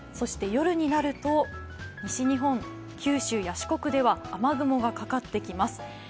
夜になると西日本、九州や四国では雨雲がかかってきます。